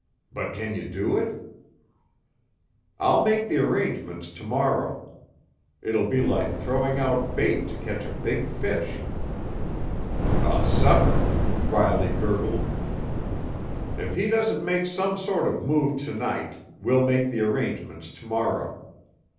"But can you do it?" "I'll make the arrangements to morrow. It'll be like throwing out bait to catch a big fish." "A sucker!" Riley gurgled. "If he doesn't make some sort of move to night we'll make the arrangements to morrow.